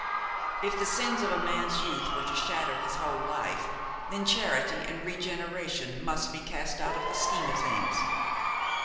If the sins of a man's youth were to shadow his whole life, then charity and regeneration must be cast out of the scheme of things.